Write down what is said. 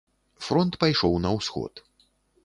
Фронт пайшоў на ўсход.